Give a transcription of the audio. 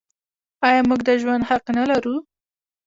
آیا موږ د ژوند حق نلرو؟